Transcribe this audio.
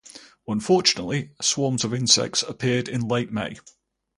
Unfortunately, swarms of insects appeared in late May.